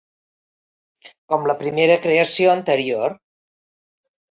Com la primera creació anterior.